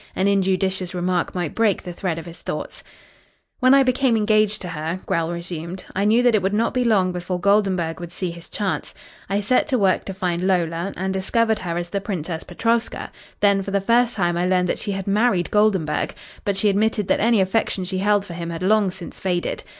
An injudicious remark might break the thread of his thoughts. "When I became engaged to her," Grell resumed, "I knew that it would not be long before Goldenburg would see his chance. I set to work to find Lola, and discovered her as the Princess Petrovska. Then for the first time I learned that she had married Goldenburg but she admitted that any affection she held for him had long since faded.